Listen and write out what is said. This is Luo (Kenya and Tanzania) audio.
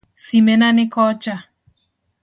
Simena ni kocha.